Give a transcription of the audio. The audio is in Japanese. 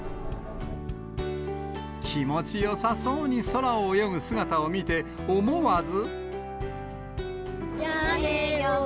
気持ちよさそうに空を泳ぐ姿を見て、思わず。